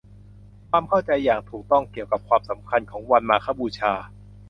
ความเข้าใจอย่างถูกต้องเกี่ยวกับความสำคัญของวันมาฆบูชา